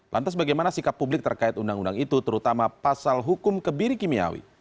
lantas bagaimana sikap publik terkait undang undang itu terutama pasal hukum kebiri kimiawi